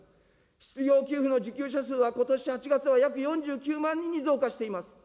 失業給付の受給者数はことし８月は約４９万人に増加しています。